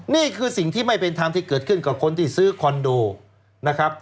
นี่คือสิ่งที่ไม่เป็นธรรมที่เกิดขึ้นกับคนที่ซื้อคอนโดนะครับ